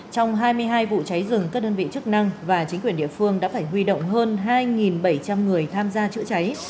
trong hai mươi hai vụ cháy rừng các đơn vị chức năng và chính quyền địa phương đã phải huy động hơn hai bảy trăm linh người tham gia chữa cháy